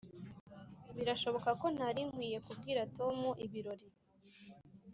birashoboka ko ntari nkwiye kubwira tom ibirori.